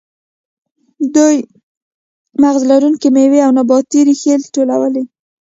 دوی مغز لرونکې میوې او نباتي ریښې ټولولې.